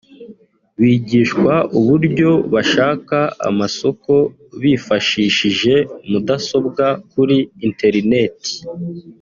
bigishwa uburyo bashaka amasoko bifashishije mudasobwa kuri interineti